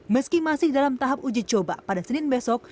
meski masih dalam tahap uji coba pada senin besok